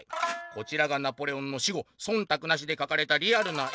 「こちらがナポレオンの死後そんたくなしで描かれたリアルな絵。